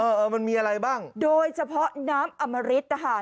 เออมันมีอะไรบ้างโดยเฉพาะน้ำอมริตนะคะ